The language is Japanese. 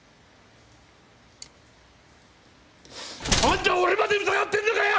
「あんた俺まで疑ってんのかよ！」